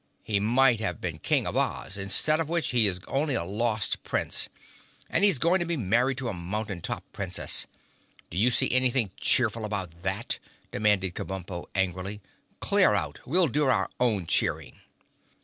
"He might have been King of Oz, instead of which he is only a lost Prince, and he's going to be married to a mountain top Princess. Do you see anything cheerful about that?" demanded Kabumpo angrily. "Clear out! We'll do our own cheering."